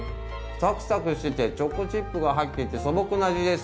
サクサクしててチョコチップが入っていて素朴な味です。